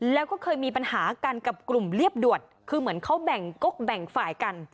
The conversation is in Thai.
แล้วก็เคยมีปัญหากันกับกลุ่มเรียบด่วนคือเหมือนเขาแบ่งกกแบ่งฝ่ายกัน